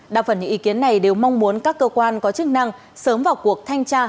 đa phần những ý kiến này đều mong muốn các cơ quan có chức năng sớm vào cuộc thanh tra